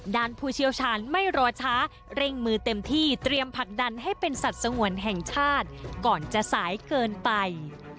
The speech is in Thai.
ผู้เชี่ยวชาญไม่รอช้าเร่งมือเต็มที่เตรียมผลักดันให้เป็นสัตว์สงวนแห่งชาติก่อนจะสายเกินไป